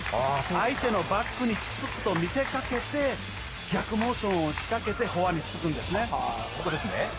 相手のバックをつくと見せかけて、逆モーションを仕掛けて、フォアここですね。